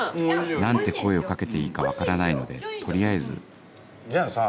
何て声を掛けていいか分からないので取りあえずじゃあさ